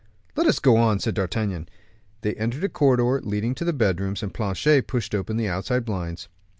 "Let us go on," said D'Artagnan. They entered a corridor leading to the bedrooms, and Planchet pushed open the outside blinds.